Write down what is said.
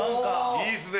いいですね。